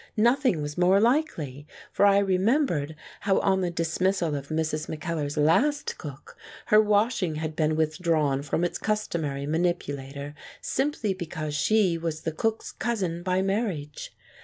Nothing was more likely, for I remembered how on the dismissal of Mrs. Mackellar's last cook, her washing had been with drawn from its customary manipulator, simply be cause she was the cook's cousin by marriage.